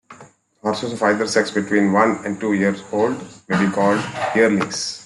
Horses of either sex between one and two years old may be called yearlings.